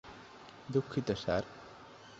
দুঃখিত, স্যার।